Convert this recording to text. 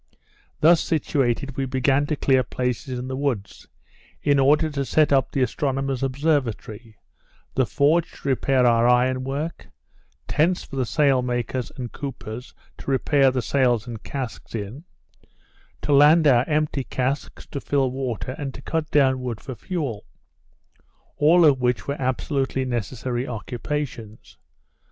Thus situated, we began to clear places in the woods, in order to set up the astronomer's observatory, the forge to repair our iron work, tents for the sail makers and coopers to repair the sails and casks in; to land our empty casks, to fill water, and to cut down wood for fuel; all of which were absolutely necessary occupations.